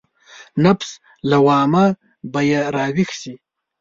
نفس لوامه به يې راويښ شي.